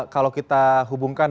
kalau kita hubungkan